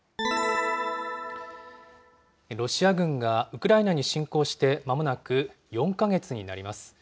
ロシア軍がウクライナに侵攻してまもなく４か月になります。